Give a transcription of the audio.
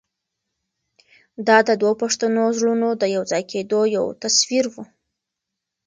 دا د دوو پښتنو زړونو د یو ځای کېدو یو تصویر و.